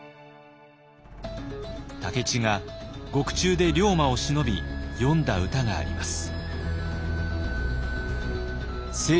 武市が獄中で龍馬をしのび詠んだ歌があります。